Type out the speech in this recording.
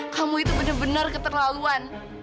kamu itu benar benar keterlaluan